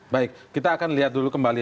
baik kita akan lihat dulu kembali